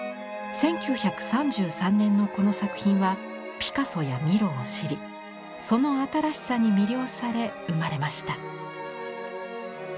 １９３３年のこの作品はピカソやミロを知りその「新しさ」に魅了され生まれました。